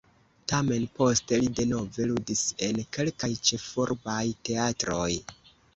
Tamen poste li denove ludis en kelkaj ĉefurbaj teatroj.